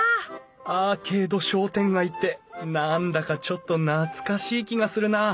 アーケード商店街って何だかちょっと懐かしい気がするな。